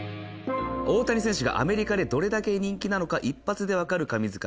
大谷選手がアメリカでどれだけ人気なのか一発でわかる神図解。